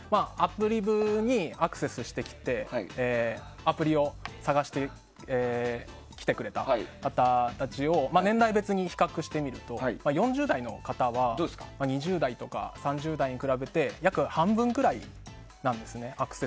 Ａｐｐｌｉｖにアクセスしてきてアプリを探してきてくれた方たちを年代別に比較してみると４０代の方は２０代とか３０代に比べて約半分くらいなんですね。